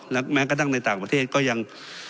และแม้กระทั่งในต่างประเทศก็ยัง